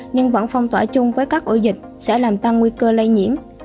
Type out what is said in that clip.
nhưng bản phong tỏa chung với các ổ dịch sẽ làm tăng nguy cơ lây nhiễm